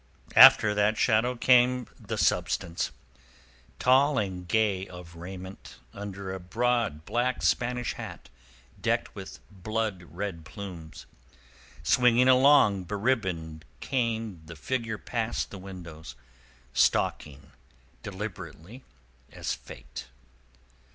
After that shadow came the substance—tall and gay of raiment under a broad black Spanish hat decked with blood red plumes. Swinging a long beribboned cane the figure passed the windows, stalking deliberately as Fate.